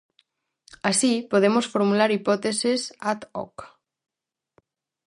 Así, podemos formular hipóteses ad hoc.